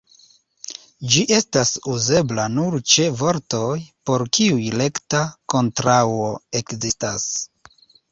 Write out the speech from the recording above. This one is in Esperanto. Ĝi estas uzebla nur ĉe vortoj, por kiuj rekta kontraŭo ekzistas.